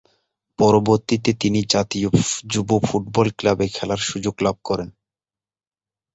পরবর্তিতে তিনি জাতীয় যুব ফুটবল ক্লাবে খেলার সুযোগ লাভ করেন।